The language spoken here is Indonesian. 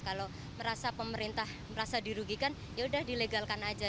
kalau merasa pemerintah merasa dirugikan ya udah dilegalkan aja